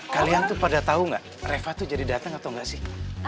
kalian tuh pada tau gak reva tuh jadi dateng atau gak sih